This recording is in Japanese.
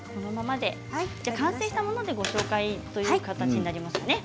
完成したものでご紹介という形になります。